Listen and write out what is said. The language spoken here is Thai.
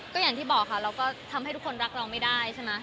ก็อย่างที่บอกค่ะเราก็ทำให้ทุกคนรักเราไม่ได้ใช่ไหม